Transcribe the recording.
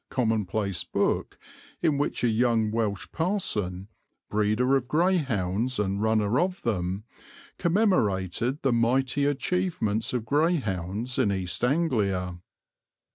commonplace book in which a young Welsh parson, breeder of greyhounds and runner of them, commemorated the mighty achievements of greyhounds in East Anglia.